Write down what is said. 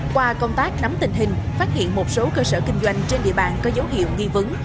qua công tác nắm tình hình phát hiện một số cơ sở kinh doanh trên địa bàn có dấu hiệu nghi vấn